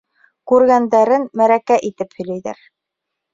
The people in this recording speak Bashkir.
Күргәндәрен мәрәкә итеп һөйләйҙәр.